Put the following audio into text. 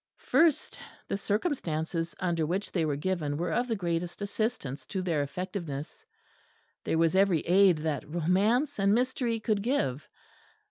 First the circumstances under which they were given were of the greatest assistance to their effectiveness. There was every aid that romance and mystery could give.